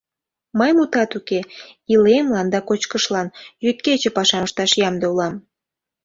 Мый, мутат уке, илемлан да кочкышлан йӱд-кече пашам ышташ ямде улам.